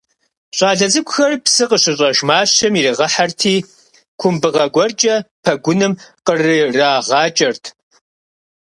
Щӏалэ цӏыкӏухэр псы къыщыщӏэж мащэм ирагъэхырти, кумбыгъэ гуэркӏэ пэгуным кърырагъакӏэрт.